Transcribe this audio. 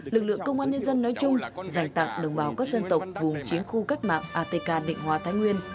lực lượng công an nhân dân nói chung dành tặng đồng bào các dân tộc vùng chiến khu cách mạng atk định hóa thái nguyên